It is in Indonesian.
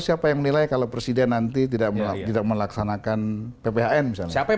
siapa yang menilai kalau presiden nanti tidak melakukan tidak melaksanakan pphn siapa yang